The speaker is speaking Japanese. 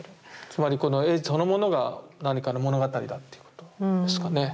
つまり絵そのものが何かの物語だっていうことですかね。